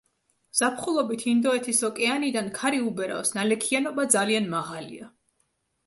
ზაფხულობით ინდოეთის ოკეანიდან ქარი უბერავს, ნალექიანობა ძალიან მაღალია.